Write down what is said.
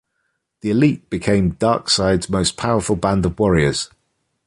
The Elite became Darkseid's most powerful band of warriors.